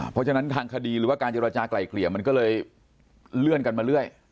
เพราะฉะนั้นทางคดีหรือว่าการเจรจากลายเกลี่ยมันก็เลยเลื่อนกันมาเรื่อย